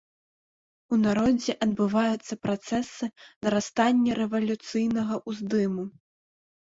У народзе адбываюцца працэсы нарастання рэвалюцыйнага ўздыму.